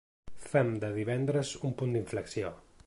Fem de divendres un punt d’inflexió.